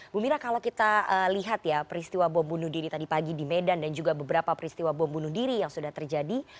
bu mira kalau kita lihat ya peristiwa bom bunuh diri tadi pagi di medan dan juga beberapa peristiwa bom bunuh diri yang sudah terjadi